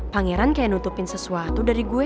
pangeran kayak nutupin sesuatu dari gue